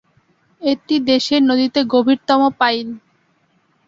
এটি দেশের নদীতে গভীরতম পাইল।